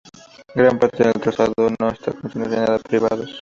Gran parte del trazado no está concesionada a privados.